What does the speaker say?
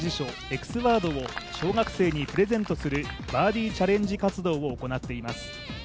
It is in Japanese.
エクスワードを小学生にプレゼントするバーディーチャレンジ活動を行っています。